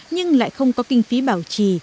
nhưng lại không có kinh phí bảo trì